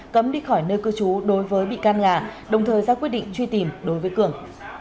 cấm đi khỏi nơi cư trú đối với bị can nhà đồng thời ra quyết định truy tìm đối với cường